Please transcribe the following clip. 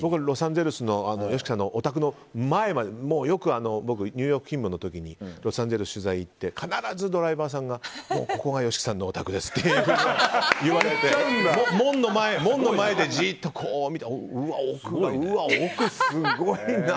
僕はロサンゼルスのＹＯＳＨＩＫＩさんのお宅の前までよく僕、ニューヨーク勤務の時にロサンゼルスに取材に行って必ずドライバーさんがここがＹＯＳＨＩＫＩさんのお宅ですって言われて、門の前でじっと見てうわ、奥すごいな！